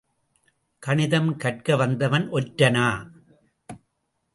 கணிதம் கற்க வந்தவன் ஒற்றனா?